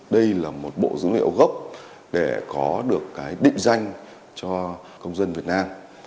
đây là một bộ dữ liệu gốc để có được cái định danh cho công dân việt nam